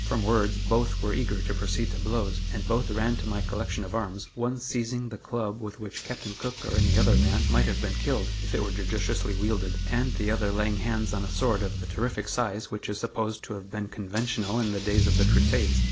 From words both were eager to proceed to blows, and both ran to my collection of arms, one seizing the club with which Captain Cook or any other man might have been killed, if it were judiciously wielded, and the other laying hands on a sword of the terrific size which is supposed to have been conventional in the days of the Crusades.